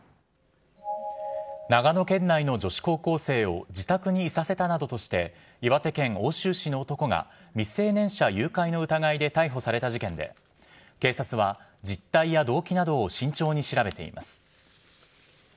長野県内の女子高校生を自宅にいさせたなどとして、岩手県奥州市の男が未成年者誘拐の疑いで逮捕された事件で、警察は実態や動機などを慎重に調べています。